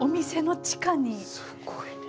すごいね。